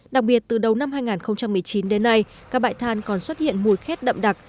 đặc biệt từ đầu năm hai nghìn một mươi chín đến nay các bãi than còn xuất hiện mùi khét đậm đặc